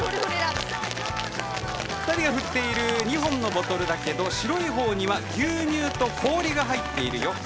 ２人が振っている２本のボトルだけど白い方には牛乳と氷が入っているよ。